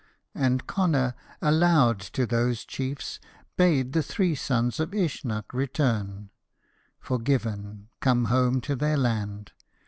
And Connor, aloud, to those chiefs, bade the three sons of Uisncach return Forgiven, come home to their land.